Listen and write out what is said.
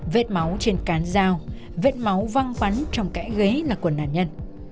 vết máu trên cán dao vết máu văng vắn trong cái ghế là của nạn nhân